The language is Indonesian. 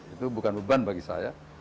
itu bukan beban bagi saya